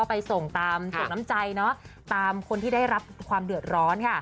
ไปส่งตามส่งน้ำใจเนอะตามคนที่ได้รับความเดือดร้อนค่ะ